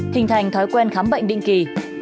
thình thành thói quen khám bệnh định kỳ